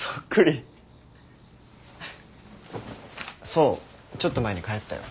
想ちょっと前に帰ったよ。